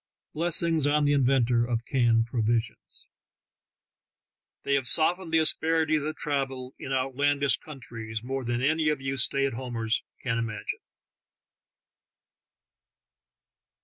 Blessings on the inventor of canned provisions ! They have softened the asper ities of travel in outlandish countries more than any of you stay at homers can imagine.